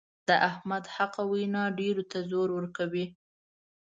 د احمد حقه وینا ډېرو ته زور ورکوي.